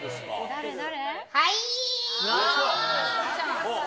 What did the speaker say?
誰誰？